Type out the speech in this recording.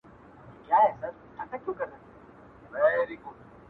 دا دی رشتيا سوه چي پنځه فصله په کال کي سته,